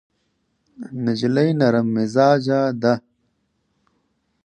نجلۍ نرم مزاجه ده.